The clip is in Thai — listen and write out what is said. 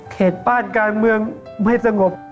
บ้านการเมืองไม่สงบ